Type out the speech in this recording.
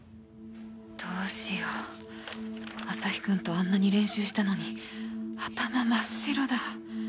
どうしようアサヒくんとあんなに練習したのに頭真っ白だ